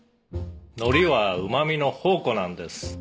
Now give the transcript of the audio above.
「海苔はうま味の宝庫なんです」